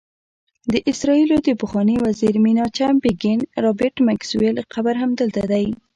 د اسرائیلو د پخواني وزیر میناچم بیګین، رابرټ میکسویل قبر هم دلته دی.